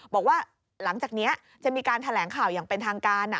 บอกว่าหลังจากนี้จะมีการแถลงข่าวอย่างเป็นทางการ